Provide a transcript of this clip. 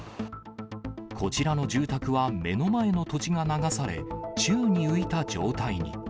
こちらの住宅は目の前の土地が流され、宙に浮いた状態に。